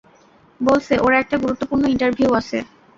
বলছে ওর একটা গুরুত্বপূর্ণ ইন্টারভিউ আছে।